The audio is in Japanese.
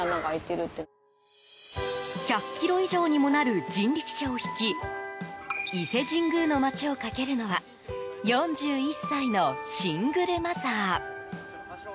１００ｋｇ以上にもなる人力車を引き伊勢神宮の街を駆けるのは４１歳のシングルマザー。